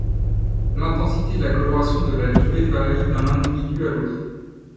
L'intensité de la coloration de la livrée varie d'un individu à l'autre.